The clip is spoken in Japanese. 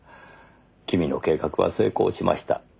君の計画は成功しました。